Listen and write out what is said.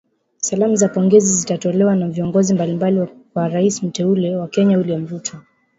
Salamu za pongezi zatolewa na viongozi mbalimbali kwa Rais Mteule wa Kenya William Ruto